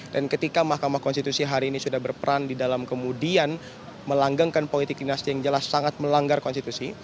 dan ketika mk hari ini sudah berperan di dalam kemudian melanggangkan politik dinasti yang jelas sangat melanggar konstitusi